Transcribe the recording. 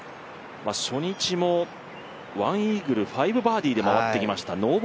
初日も１イーグル、５バーディーで回ってきました、